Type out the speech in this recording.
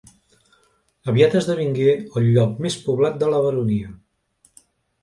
Aviat esdevingué el lloc més poblat de la baronia.